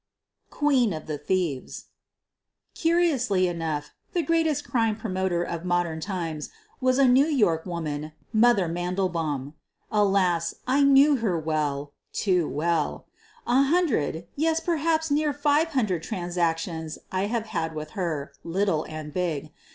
QUEEN OP THE THIEVES Curiously enough the greatest crime promoter of modern times was a New York woman, " Mother' ' Mandelbaum. Alas ! I knew her well — too well. A hundred, yes, perhaps near five hundred transac tions I have had with her, little and big.